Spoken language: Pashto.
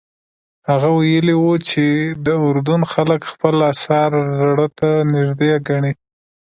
هغه ویلي وو چې د اردن خلک خپل اثار زړه ته نږدې ګڼي.